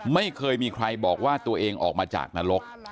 ไม่เคยมีใครบอกว่าตัวเองออกมาจากนรก